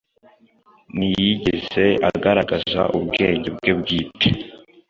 Ntiyigeze agaragaza ubwenge bwe bwite